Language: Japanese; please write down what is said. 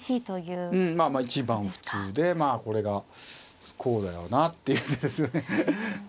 うんまあまあ一番普通でまあこれがこうだよなっていう手ですよね。